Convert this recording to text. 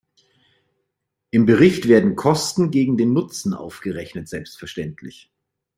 Im Bericht werden Kosten gegen den Nutzen aufgerechnet selbstverständlich.